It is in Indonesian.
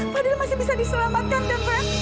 fadil masih bisa diselamatkan kan pak